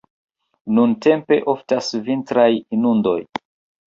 Nuntempe oftas vintraj inundoj.